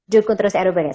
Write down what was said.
dukung terus ru pks